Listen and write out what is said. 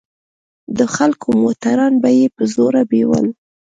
د خلکو موټران به يې په زوره بيول.